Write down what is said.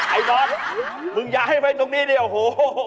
ไอ้ดอทมึงย้ายให้ไปตรงนี้ดีนะโอ้โฮ